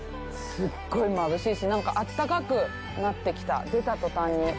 すっごいまぶしいし、なんか暖かくなってきた、出た途端に。